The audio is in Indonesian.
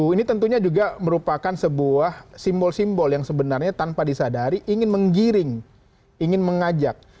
ini tentunya juga merupakan sebuah simbol simbol yang sebenarnya tanpa disadari ingin menggiring ingin mengajak